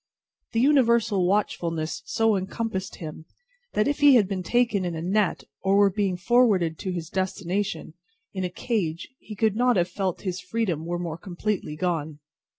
The universal watchfulness so encompassed him, that if he had been taken in a net, or were being forwarded to his destination in a cage, he could not have felt his freedom more completely gone.